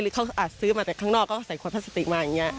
หรือเขาอาจซื้อมาแต่ข้างนอกก็ใส่ความพระสติกมาอย่างนี้